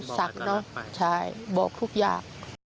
เนอะใช่บอกทุกอย่าง